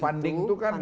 funding itu kan